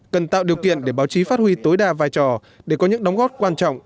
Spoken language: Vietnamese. cần tạo điều kiện để báo chí phát huy tối đa vai trò để có những đóng góp quan trọng